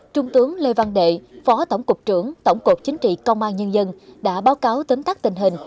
trung tướng lê văn đệ phó tổng cục trưởng tổng cục chính trị công an nhân dân đã báo cáo tấm tắt tình hình